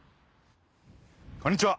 こんにちは